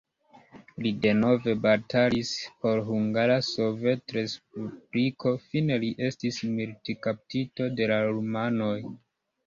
Li denove batalis por Hungara Sovetrespubliko, fine li estis militkaptito de la rumanoj.